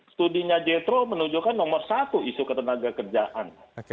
studinya jetro menunjukkan nomor satu isu ketenaga kerjaan